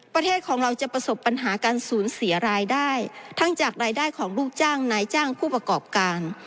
ประเทศของเราจะประสบปัญหาการสูญเสียรายได้ทั้งจากรายได้ของลูกจ้างนายจ้างผู้ประกอบการ